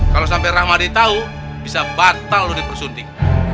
kalo sampe rahmadi tau bisa batal lo dipersuntik